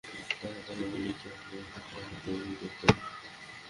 তা, তাই বলে কি আর নূতন ফ্রক তৈরি করাতে নেই।